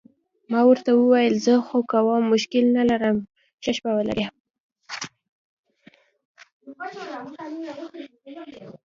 ما ورته وویل: زه خو کوم مشکل نه لرم، ښه شپه ولرئ.